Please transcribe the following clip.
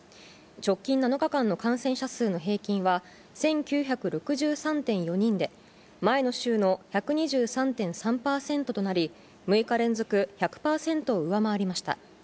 直近７日間の感染者数の平均は、１９６３．４人で、前の週の１２３．３％となり、６日連続１００％を上回りました。